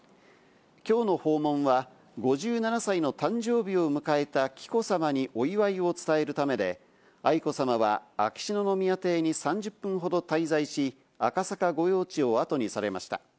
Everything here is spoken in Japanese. きょうの訪問は、５７歳の誕生日を迎えた紀子さまにお祝いを伝えるためで、愛子さまは秋篠宮邸に３０分ほど滞在し、赤坂御用地をあとにされました。